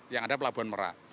yang ada pelabuhan merak